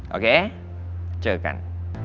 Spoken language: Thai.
โอเคเจอกัน